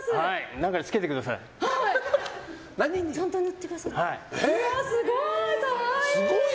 何かにつけてください。